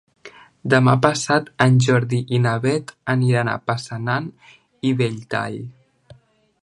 Demà passat en Jordi i na Beth aniran a Passanant i Belltall.